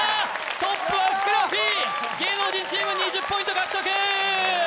トップはふくらＰ芸能人チーム２０ポイント獲得